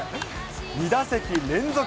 ２打席連続。